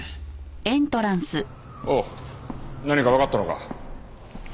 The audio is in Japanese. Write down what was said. おう何かわかったのか？